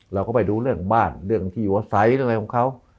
เราก็ไปดูเรื่องบ้านเรื่องที่อยู่อาศัยเรื่องอะไรของเขา